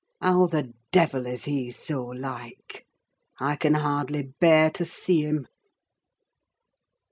How the devil is he so like? I can hardly bear to see him."